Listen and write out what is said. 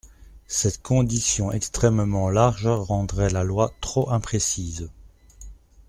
Cette condition extrêmement large rendrait la loi trop imprécise.